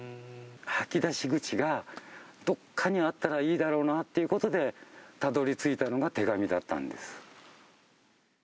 吐き出し口が、どっかにあったらいいだろうなということで、たどりついたのが手紙だったんです。